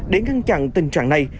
để ngăn chặn tình trạng này